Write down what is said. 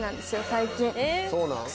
最近。